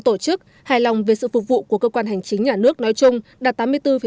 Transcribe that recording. tổ chức hài lòng về sự phục vụ của cơ quan hành chính nhà nước nói chung đạt tám mươi bốn bốn mươi năm